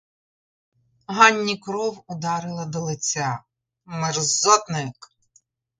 Ганні кров ударила до лиця: мерзотник!